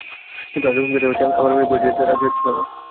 কিন্তু আগে হুমকি দেওয়ায় আমার মেয়ে ভয়ে যেতে রাজি হচ্ছিল না।